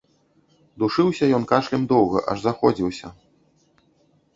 Душыўся ён кашлем доўга, аж заходзіўся.